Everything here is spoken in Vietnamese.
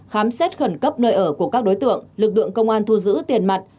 khám xét khẩn cấp nơi ở của các đối tượng lực lượng công an thu giữ tiền mặt